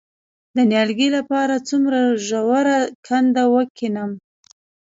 د نیالګي لپاره څومره ژوره کنده وکینم؟